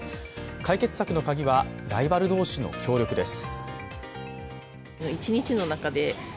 解決策の鍵はライバル同士の協力です。